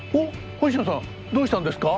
星名さんどうしたんですか？